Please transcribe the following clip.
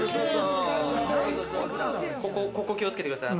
ここ気をつけてください。